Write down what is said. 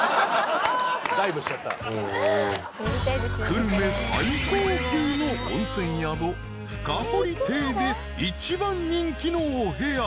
［久留米最高級の温泉宿ふかほり邸で一番人気のお部屋］